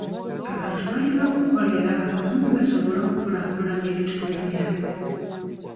Abantu balina okukolera awamu basobole okukulaakulanya ebitundu byabwe.